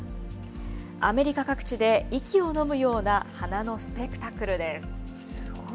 アメリカ各地で息をのむような花のスペクタクルです。